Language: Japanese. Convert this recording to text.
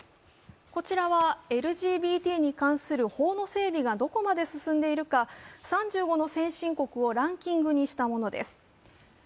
こちらはＬＧＢＴに対する法の整備がどこまで進んでいるか３５の先進国をランキングにしたものです。